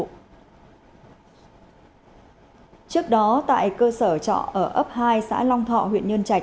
trước đó tại cơ sở trọ ở ấp hai xã long thọ